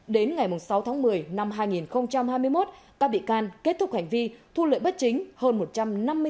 đến ngày sáu tháng một mươi năm hai nghìn hai mươi một các bị can kết thúc hành vi thu lợi bất chính hơn một trăm năm mươi tỷ đồng